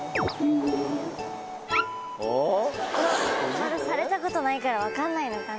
まだされたことないから分かんないのかな。